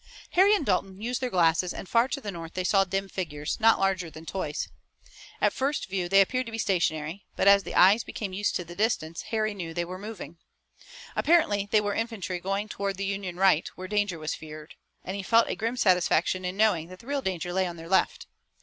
Harry and Dalton used their glasses and far to the north they saw dim figures, not larger than toys. At first view they appeared to be stationary, but, as the eyes became used to the distance, Harry knew they were moving. Apparently they were infantry going toward the Union right, where danger was feared, and he felt a grim satisfaction in knowing that the real danger lay on their left.